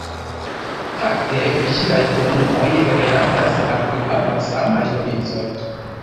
Fakte ĝiaj komunumoj rilatas al kvar malsamaj provincoj.